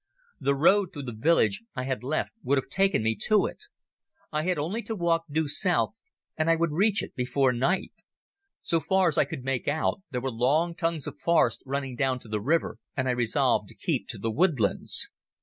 The road through the village I had left would have taken me to it. I had only to walk due south and I would reach it before night. So far as I could make out there were long tongues of forest running down to the river, and I resolved to keep to the woodlands.